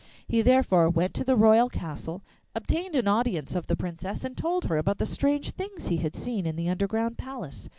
He therefore went to the royal castle, obtained an audience of the Princess, and told her about the strange things he had seen in the underground palace.